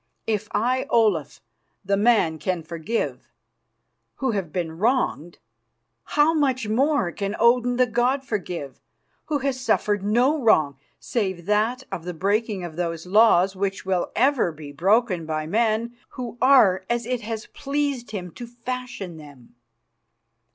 If I, Olaf, the man can forgive, who have been wronged, how much more can Odin the god forgive, who has suffered no wrong save that of the breaking of those laws which will ever be broken by men who are as it has pleased him to fashion them?